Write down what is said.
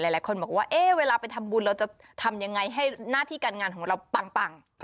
หลายคนบอกว่าเวลาไปทำบุญเราจะทำยังไงให้หน้าที่การงานของเราปัง